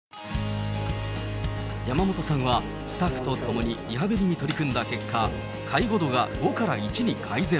山本さんはスタッフと共にリハビリに取り組んだ結果、介護度が５から１に改善。